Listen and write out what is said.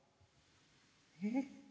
えっ？